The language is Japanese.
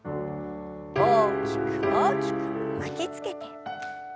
大きく大きく巻きつけて。